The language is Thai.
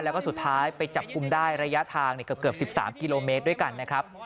แล้วก็สุดท้ายไปจับกลุ่มได้ระยะทางเกือบ๑๓กิโลเมตรด้วยกันนะครับ